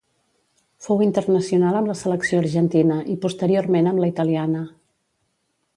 Fou internacional amb la selecció argentina i posteriorment amb la italiana.